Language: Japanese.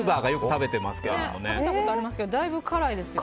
食べたことありますけどだいぶ辛いですよ。